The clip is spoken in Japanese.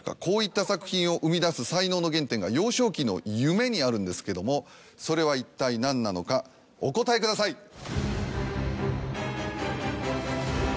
こういった作品を生み出す才能の原点が幼少期の夢にあるんですけどもそれは一体何なのかお答えください。